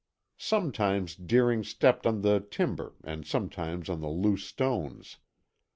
Sometimes Deering stepped on the timber and sometimes on the loose stones.